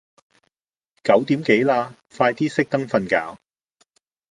九點幾啦，快啲熄燈瞓覺